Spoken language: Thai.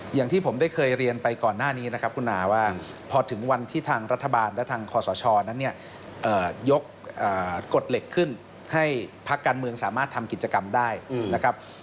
อย่างที่ผมได้เคยเรียนไปก่อนหน้านี้นะครับคุณอาว่าพอถึงวันที่ทางรัฐบาลและทางคอสชนั้นเนี่ยยกกฎเหล็กขึ้นให้พักการเมืองสามารถทำกิจกรรมได้นะครับ